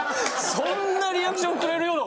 そんなリアクションくれるような事言った？